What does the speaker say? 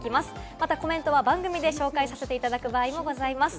またコメントは番組で紹介させていただく場合もございます。